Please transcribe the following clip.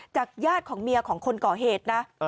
ญาติของเมียของคนก่อเหตุนะ